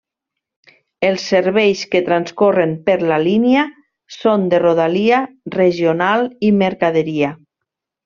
Els serveis que transcorren per la línia són de rodalia, regional i mercaderia.